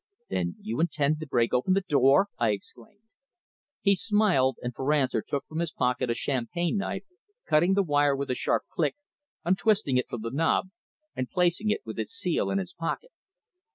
"Then you intend to break open the door?" I exclaimed. He smiled, and for answer took from his pocket a champagne knife, cutting the wire with a sharp click, untwisting it from the knob, and placing it with its seal in his pocket.